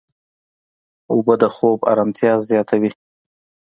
اوبه د خوب ارامتیا زیاتوي.